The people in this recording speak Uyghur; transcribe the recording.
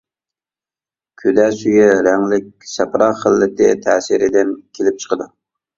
كۈدە سۈيى رەڭلىك سەپرا خىلىتى تەسىرىدىن كېلىپ چىقىدۇ.